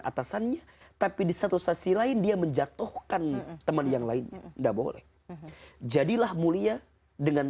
atasannya tapi di satu sisi lain dia menjatuhkan teman yang lainnya enggak boleh jadilah mulia dengan